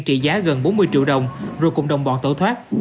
trị giá gần bốn mươi triệu đồng rồi cùng đồng bọn tẩu thoát